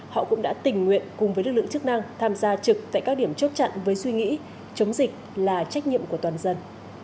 họ cũng đã tình nguyện cùng với lực lượng chức năng tham gia trực tại các điểm chốt chặn với suy nghĩ chống dịch là trách nhiệm của toàn dân